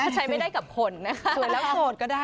ใช้ไม่ได้กับคนนะคะ